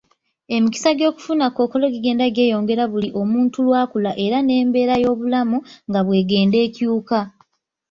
Emikisa gy'okufuna kookolo gigenda gyeyongera buli omuntu lwakula era n'embeera y'obulamu nga bw'egenda ekyuka